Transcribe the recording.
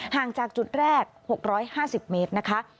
ห่างจากจุดแรก๖๕๐เมตรนะคะ